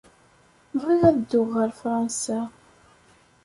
Bɣiɣ ad dduɣ ɣer Fransa.